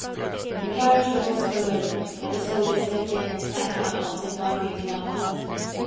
The carriage door was thrown open, and a soldier stepped in and sat down opposite Marguerite and Armand.